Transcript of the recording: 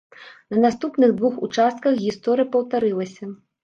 На наступных двух участках гісторыя паўтарылася.